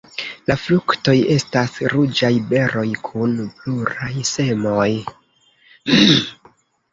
La fruktoj estas ruĝaj beroj kun pluraj semoj.